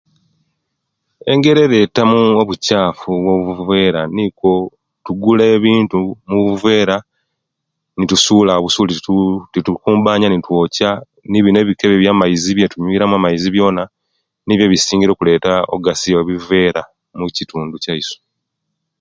Engeri ereta mu obukyafu bwo obuvera nikwo tukugula ebintu mubuvera nitusula busuli titukunanya nitwokya nebino ebikebe ebiye maize ebitunyweramu amaizi byona nibyo ebisingire okuleta ogasya obuvera mukitundu kiyaisu